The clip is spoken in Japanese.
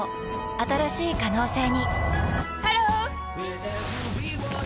新しい可能性にハロー！